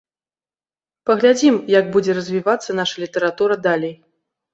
Паглядзім, як будзе развівацца наша літаратура далей.